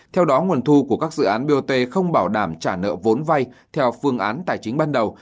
theo đó nguồn thu của các dự án bot không bảo đảm trả nợ vốn vay theo phương án tài chính ban đầu